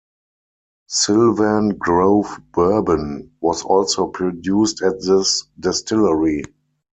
Sylvan Grove Bourbon was also produced at this distillery.